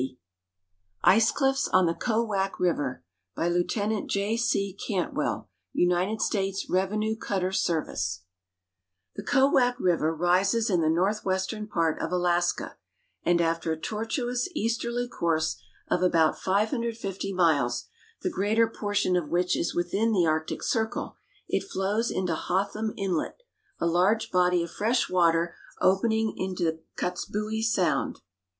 ICE CLIFFS ON THE KOWAK RIVER By Lieut. J. C. Cantwell, United States lievenue Cutter Service The Kowak river rises in the northwestern pjlrt of Alaska, and after a tortuous easterly course of about 550 miles, the greater portion of which is within the Arctic circle, it flows into Hotham inlet, a large body of fresh water opening into Kotzebue sound.